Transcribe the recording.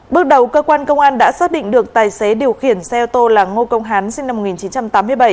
bước đầu cơ quan công an đã xác định được tài xế điều khiển xe ô tô là ngô công hán sinh năm một nghìn chín trăm tám mươi bảy